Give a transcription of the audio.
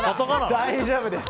大丈夫です。